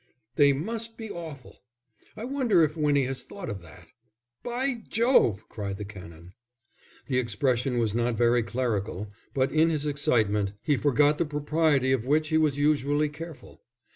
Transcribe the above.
"They must be awful. I wonder if Winnie has thought of that." "By Jove!" cried the Canon. The expression was not very clerical, but in his excitement he forgot the propriety of which he was usually careful.